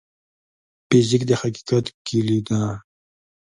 فزیک د حقیقت کلي ده.